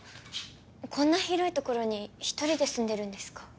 こんな広い所に一人で住んでるんですか？